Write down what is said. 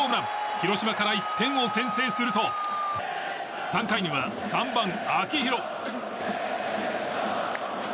広島から１点を先制すると３回には、３番、秋広。